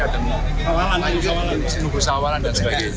ada pengawalan dan sebagainya